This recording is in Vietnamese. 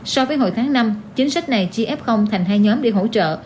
so với hồi tháng năm chính sách này chi f thành hai nhóm để hỗ trợ